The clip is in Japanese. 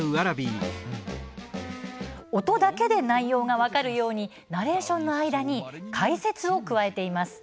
音だけで内容が分かるようにナレーションの間に解説を加えています。